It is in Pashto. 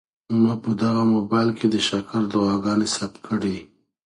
ما په دغه موبایل کي د شکر دعاګانې ثبت کړې.